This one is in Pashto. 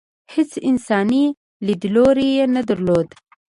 هېڅ انساني لیدلوری یې نه درلود.